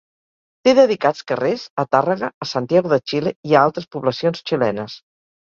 Té dedicats carrers a Tàrrega, a Santiago de Xile i a altres poblacions xilenes.